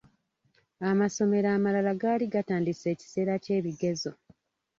Amasomero amalala gaali gatandise ekiseera ky’ebigezo..